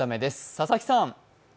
佐々木さん。